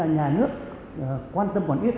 nhà nước quan tâm còn ít